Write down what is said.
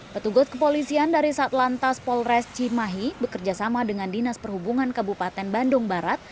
petugas kepolisian dari satlantas polres cimahi bekerjasama dengan dinas perhubungan kabupaten bandung barat